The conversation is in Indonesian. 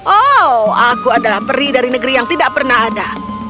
oh aku adalah peri dari negeri yang tidak pernah ada